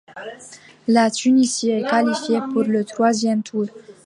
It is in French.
La Tunisie est qualifiée pour le troisième tour.